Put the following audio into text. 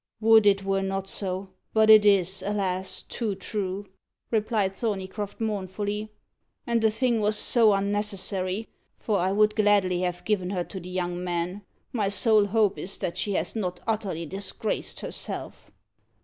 "Would it were not so! but it is, alas! too true," replied Thorneycroft mournfully. "And the thing was so unnecessary, for I would gladly have given her to the young man. My sole hope is that she has not utterly disgraced herself."